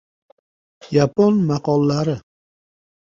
Yapon maqollari